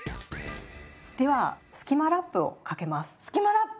では「スキマラップ」をかけます。